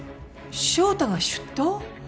翔太が出頭！？